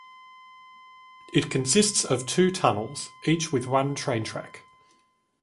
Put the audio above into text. It consists of two tunnels, each with one train track.